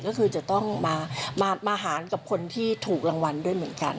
ก็คือจะต้องมาหารกับคนที่ถูกรางวัลด้วยเหมือนกัน